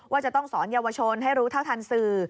ว่าจะต้องสอนเยาวชนให้รู้เท่าทันสื่อ